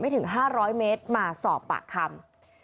ถึง๕๐๐เมตรมาสอบปากคำ